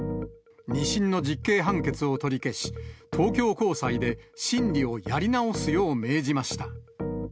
２審の実刑判決を取り消し、東京高裁で審理をやり直すよう命じました。